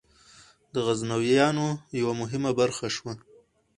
د غزنویانو یوه مهمه برخه شوه.